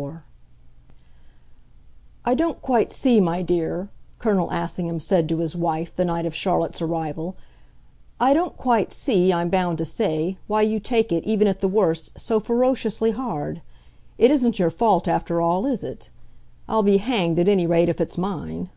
IV "I don't quite see, my dear," Colonel Assingham said to his wife the night of Charlotte's arrival, "I don't quite see, I'm bound to say, why you take it, even at the worst, so ferociously hard. It isn't your fault, after all, is it? I'll be hanged, at any rate, if it's mine."